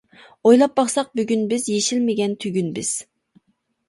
ئويلاپ باقساق بۈگۈن بىز، يېشىلمىگەن تۈگۈن بىز.